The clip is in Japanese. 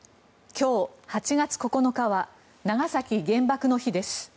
今日、８月９日は長崎原爆の日です。